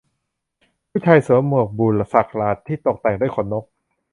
ผู้ชายสวมหมวกบุสักหลาดที่ตกแต่งด้วยขนนก